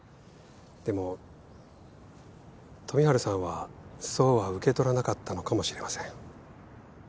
でも富治さんはそうは受け取らなかったのかもしれません。